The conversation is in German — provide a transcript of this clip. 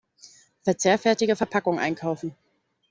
Verzehrfertige Verpackung einkaufen.